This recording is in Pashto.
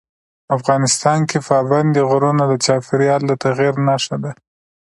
افغانستان کې پابندی غرونه د چاپېریال د تغیر نښه ده.